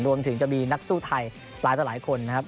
รวมถึงจะมีนักสู้ไทยหลายต่อหลายคนนะครับ